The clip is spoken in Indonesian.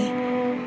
dua dan tiga